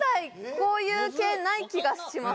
こういう系ない気がします